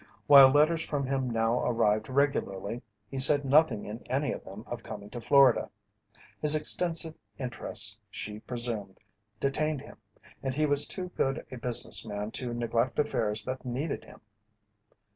While letters from him now arrived regularly, he said nothing in any of them of coming to Florida. His extensive interests, she presumed, detained him, and he was too good a business man to neglect affairs that needed him.